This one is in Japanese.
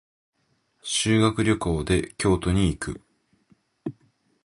修学旅行で京都に行く。